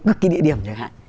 cực kỳ địa điểm chẳng hạn